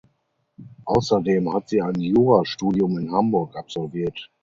Außerdem hat sie ein Jurastudium in Hamburg absolviert.